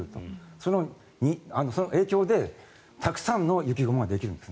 その影響でたくさんの雪雲ができるんです。